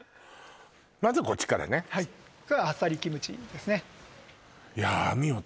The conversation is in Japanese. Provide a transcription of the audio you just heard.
まずこっちからねはいあっさりキムチですね